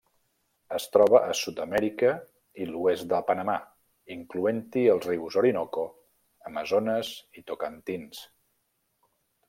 Es troba a Sud-amèrica i l'oest de Panamà, incloent-hi els rius Orinoco, Amazones i Tocantins.